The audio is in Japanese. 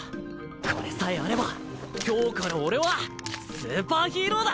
これさえあれば今日から俺はスーパーヒーローだ。